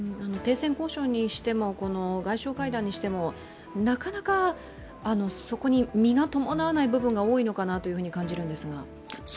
停戦交渉にしても外相会談にしてもなかなかそこに実が伴わない部分が多いのかなと感じるんですが。